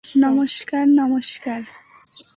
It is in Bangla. নমস্কার, - নমস্কার।